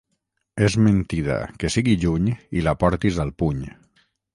És mentida que sigui juny i la portis al puny.